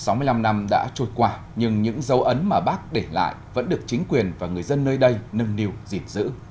sáu mươi năm năm đã trôi qua nhưng những dấu ấn mà bác để lại vẫn được chính quyền và người dân nơi đây nâng niu dịp giữ